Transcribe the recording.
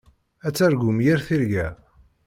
Ad targum yir tirga.